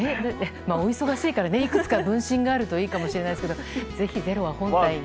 お忙しいからいくつか分身があるといいかもしれないですが「ｚｅｒｏ」は本体で。